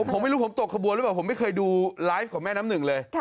ผมไม่รู้ผมตกขบวนหรือเปล่าผมไม่เคยดูไลฟ์ของแม่น้ำหนึ่งเลย